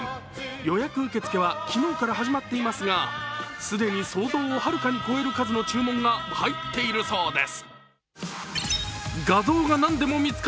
予約受付は昨日から始まっていますが、既に想像をはるかに超える数の注文が入っているそうです。